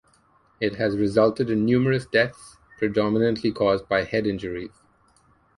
It has resulted in numerous deaths, predominantly caused by head injuries.